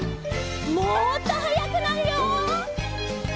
もっとはやくなるよ。